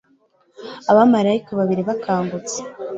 Abamarayika babiri bakangutse